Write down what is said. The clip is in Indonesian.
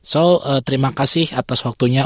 so terima kasih atas waktunya